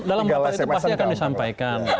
dalam rapat itu pasti akan disampaikan